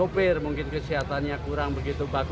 mereka apa pak